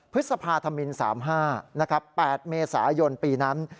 พฤษภาธมิน๓๕นะครับ๘เมษายนปีนั้น